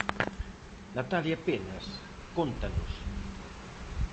Natalia Penas, cóntanos.